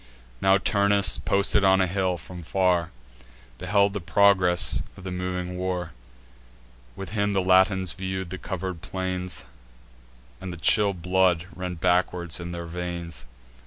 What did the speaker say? Now Turnus, posted on a hill, from far Beheld the progress of the moving war: With him the Latins view'd the cover'd plains, And the chill blood ran backward in their veins.